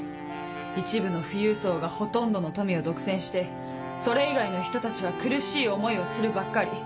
一部の富裕層がほとんどの富を独占してそれ以外の人たちは苦しい思いをするばっかり。